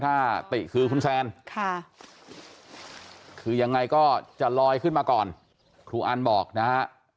ถ้าติคือคุณแซนค่ะคือยังไงก็จะลอยขึ้นมาก่อนครูอันบอกนะฮะ